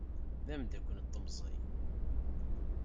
D amdakel n temẓi.